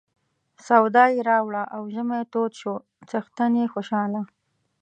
سودا یې راوړه او ژمی تود شو څښتن یې خوشاله.